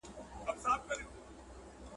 یو تعویذ درڅخه غواړمه غښتلی ,